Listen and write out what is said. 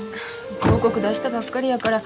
広告出したばっかりやから。